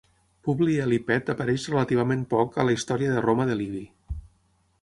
Publi Eli Pet apareix relativament poc a la "Història de Roma" de Livi.